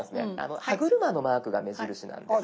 歯車のマークが目印なんです。